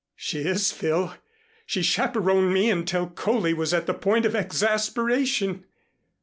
"She is, Phil. She chaperoned me until Coley was at the point of exasperation."